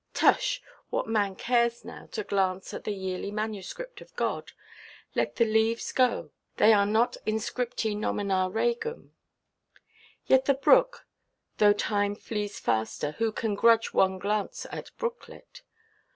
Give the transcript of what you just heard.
Tush—what man cares now to glance at the yearly manuscript of God? Let the leaves go; they are not inscripti nomina regum. Yet the brook—though time flees faster, who can grudge one glance at brooklet?